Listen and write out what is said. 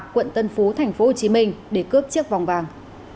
quận tân phú tp hcm để cướp chiếc vòng vàng